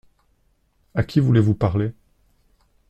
À qui voulez-vous parler ?